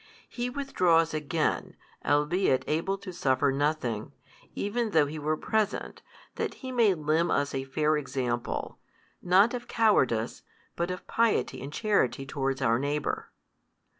He withdraws again, albeit able to suffer nothing, even though He were present, that He may limn us a fair example, not of cowardice, but of piety and charity towards our neighbour.